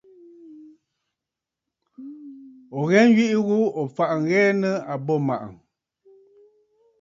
Ò ghɛ nyweʼe ghu, ò faʼà ŋ̀ghɛɛ nɨ̂ àbô màʼà.